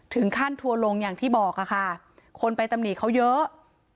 ถึงขั้นทัวร์ลงอย่างที่บอกค่ะค่ะคนไปตำหนี่เขาเยอะ